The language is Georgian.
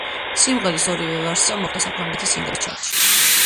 სიმღერის ორივე ვერსია მოხვდა საფრანგეთის სინგლების ჩარტში.